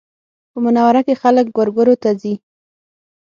په منوره کې خلک ګورګورو ته ځي